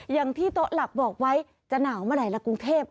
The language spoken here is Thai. อย่างที่โต๊ะหลักบอกไว้จะหนาวเมื่อไหร่ละกรุงเทพ